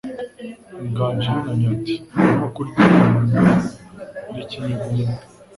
Nganji yunamye ati "Ninko kuryamana n'ikinyugunyugu."